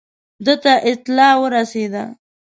ده ته اطلاع ورسېده.